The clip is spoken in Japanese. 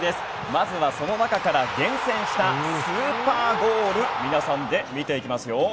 まずはその中から厳選したスーパーゴール皆さんで見ていきますよ！